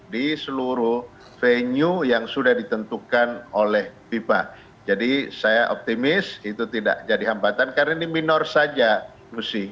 di seluruh venue yang sudah ditentukan oleh fifa jadi saya optimis itu tidak jadi hambatan karena ini minor saja mesti